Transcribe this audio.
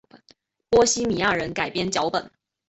波希米亚人改编脚本。